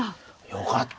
よかった！